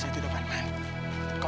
saya saya membutuhkan sama kau kau